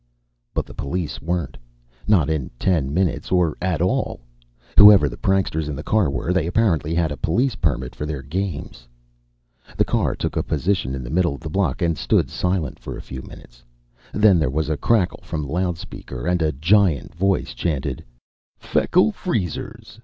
But the police weren't not in ten minutes, or at all. Whoever the pranksters in the car were, they apparently had a police permit for their games. The car took a position in the middle of the block and stood silent for a few minutes. Then there was a crackle from the speaker, and a giant voice chanted: "Feckle Freezers!